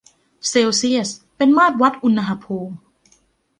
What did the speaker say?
เซลเซียสเป็นมาตรวัดอุณหภูมิ